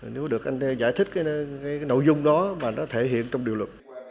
nếu được anh giải thích cái nội dung đó mà nó thể hiện trong điều luật